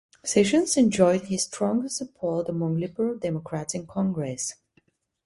Sessions enjoyed his strongest support among liberal Democrats in Congress.